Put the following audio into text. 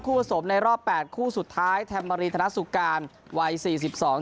ผสมในรอบแปดคู่สุดท้ายแทมมารีธนสุการวัยสี่สิบสอง